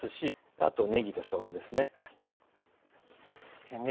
あとねぎとしょうがですね。